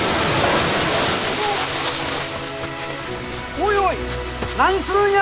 おいおい何するんや！